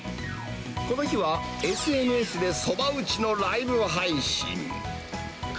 この日は、ＳＮＳでそば打ちのライブ配信。